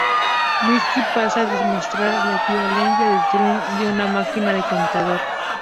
Minsky pasa a demostrar la equivalencia de Turing de una máquina de contador.